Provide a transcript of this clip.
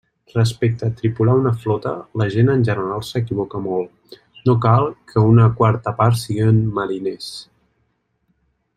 Respecte a tripular una flota, la gent en general s'equivoca molt; no cal que una quarta part siguen mariners.